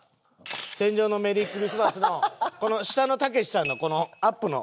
『戦場のメリークリスマス』のこの下のたけしさんのこのアップの。